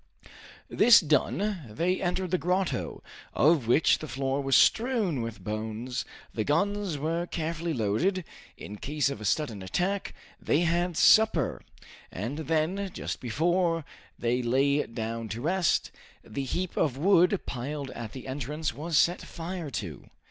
This done, they entered the grotto, of which the floor was strewn with bones, the guns were carefully loaded, in case of a sudden attack, they had supper, and then just before they lay down to rest, the heap of wood piled at the entrance was set fire to.